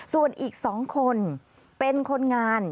ส่วนอีก๒คนเป็นคนงาน